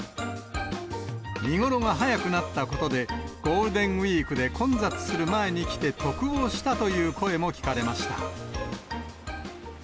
見頃が早くなったことで、ゴールデンウィークで混雑する前に来て得をしたという声も聞かれました。